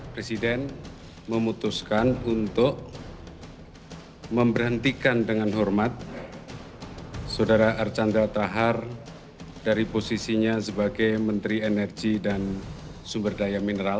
presiden memutuskan untuk memberhentikan dengan hormat saudara archandra tahar dari posisinya sebagai menteri energi dan sumber daya mineral